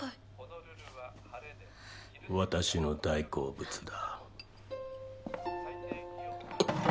私の大好物だ。